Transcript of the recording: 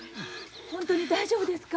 本当に大丈夫ですか？